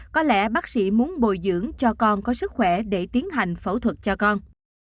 có lẽ bác sĩ muốn bồi dưỡng cho con có sức khỏe để tiến hành phẫu thuật cho con